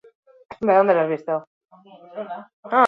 Hala ere, txandala hiriko erdigunean debekatu egiten du protokoloak.